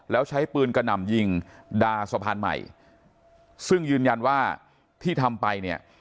แล้วใช้ปืนกระหน่ำยิงดาสะพานใหม่ซึ่งยืนยันว่าที่ทำไปเนี่ย